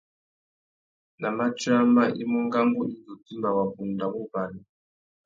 Nà matiō amá, i mú ngangu indi u timba wabunda wô barimú.